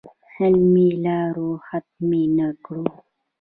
علمي لارو ختمې نه کړو.